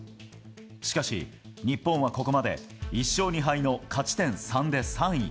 しかし日本は、ここまで１勝２敗の勝ち点３で３位。